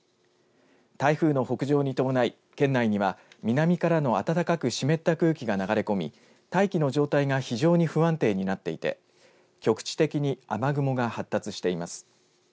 台風の北上に伴い県内には南からの暖かく湿った空気が流れ込み大気の状態が非常に不安定になっていて局地的に雨雲が発達しています。